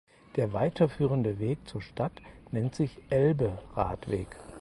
Der weiterführende Weg zur Stadt nennt sich Elberadweg.